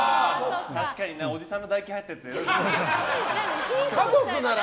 確かにおじさんの唾液入ったやつ。